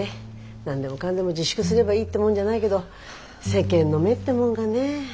何でもかんでも自粛すればいいってもんじゃないけど世間の目ってもんがねえ。